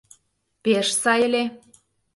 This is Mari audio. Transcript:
— Пеш сай ыле.